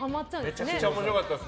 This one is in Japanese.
めちゃくちゃ面白かったです。